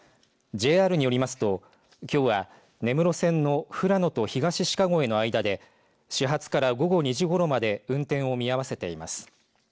ＪＲによりますと、きょうは根室線の富良野と東鹿越の間で始発から午後２時ごろまで運転を見合わせています。